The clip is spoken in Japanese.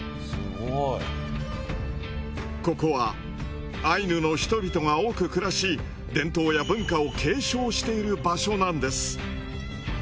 ここはアイヌの人々が多く暮らし伝統や文化を継承している場所なんです。